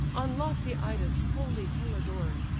On lofty Ida's holy hill adored!